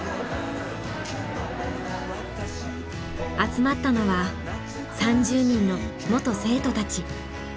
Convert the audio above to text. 集まったのは３０人の元生徒たち。